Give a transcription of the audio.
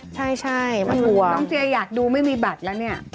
ต้องเจออยากดูไม่มีบัตรละเนี่ย